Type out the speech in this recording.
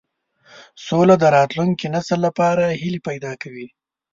سوله د راتلونکي نسل لپاره هیلې پیدا کوي.